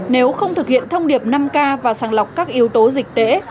nếu không thực hiện thông điệp năm k và sàng lọc các yếu tố dịch tễ